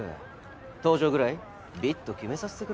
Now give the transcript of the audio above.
登場ぐらいビッと決めさせてくれよ。